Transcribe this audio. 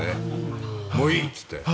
もういい！って言って。